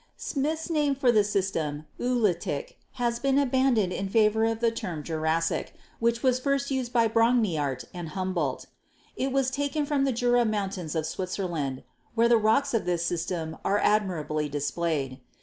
Smith's name for the system, "Oolitic," has been abandoned in favor of the term Jurassic, which was first used by Brongniart and Humboldt. It was taken from the Jura Mountains of Switzerland, where the rocks of this system are admirably displayed.